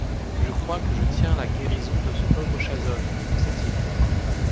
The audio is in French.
Je crois que je tiens la guérison de ce pauvre Chazolles, pensa-t-il.